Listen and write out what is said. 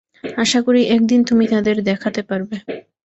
আশা করি একদিন তুমি তাদের দেখাতে পারবে।